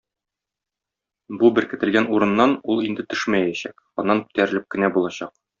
Бу беркетелгән урыннан ул инде төшмәячәк, аннан күтәрелеп кенә булачак.